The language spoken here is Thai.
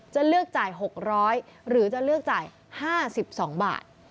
จะเลือกจ่ายหกร้อยหรือจะเลือกจ่ายห้าสิบสองบาท